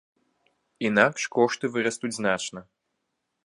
Інакш кошты вырастуць значна.